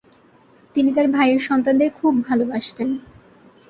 তিনি তার ভাইয়ের সন্তানদের খুব ভালবাসতেন।